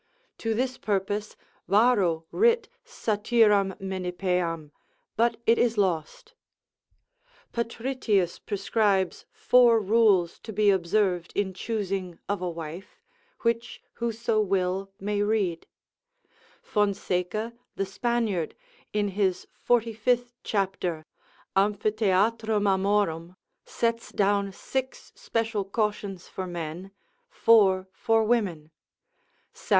To this purpose Varro writ Satyram Menippeam, but it is lost. Patritius prescribes four rules to be observed in choosing of a wife (which who so will may read); Fonseca, the Spaniard, in his 45. c. Amphitheat. Amoris, sets down six special cautions for men, four for women; Sam.